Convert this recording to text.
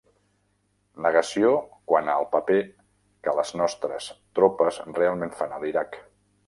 Negació quant al paper que les nostres tropes realment fan a l'Iraq.